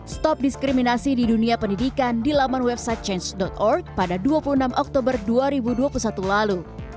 stop diskriminasi di dunia pendidikan di laman website change org pada dua puluh enam oktober dua ribu dua puluh satu lalu